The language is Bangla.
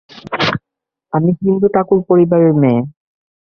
আমি হিন্দু ঠাকুর পরিবারের মেয়ে।